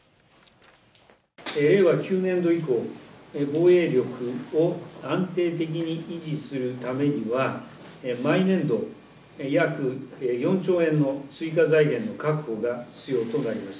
令和９年度以降、防衛力を安定的に維持するためには、毎年度、約４兆円の追加財源の確保が必要となります。